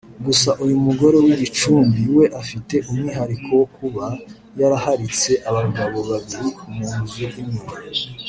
gusa uyu mugore w’i Gicumbi we afite umwihariko wo kuba yaraharitse abagabo babiri mu nzu imwe